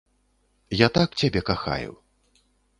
Я так цябе кахаю.